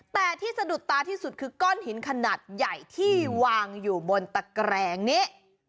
แต่ที่สะดุดตาที่สุดคือก้อนหินขนาดใหญ่ที่วางอยู่บนตะแกรงนี้